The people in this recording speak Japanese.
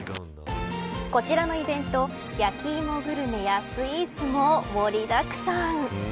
こちらのイベントやきいもグルメやスイーツも盛りだくさん。